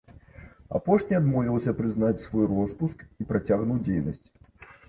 Апошні адмовіўся прызнаць свой роспуск і працягнуў дзейнасць.